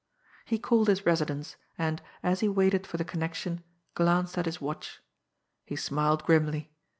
He called his residence, and, as he waited for the connection, glanced at his watch. He smiled grimly.